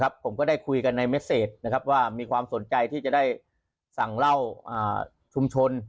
ผมก็ได้คุยกันในเม็ดเซตว่ามีความสนใจที่จะได้สั่งเหล้าชุมชน